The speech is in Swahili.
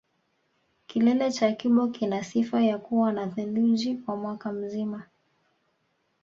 kilele cha kibo kina sifa ya kuwa na theluji kwa mwaka mzima